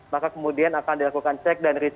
maka kemudian akan dilakukan cek dan resiko